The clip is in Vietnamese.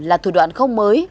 là thủ đoạn không mới